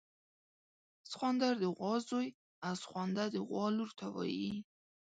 سخوندر د غوا زوی او سخونده د غوا لور ته ویل کیږي